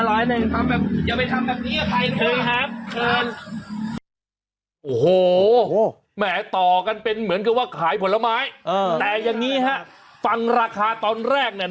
โอ้โหแหมต่อกันเป็นเหมือนกับว่าขายผลไม้แต่อย่างนี้ฮะฟังราคาตอนแรกเนี่ย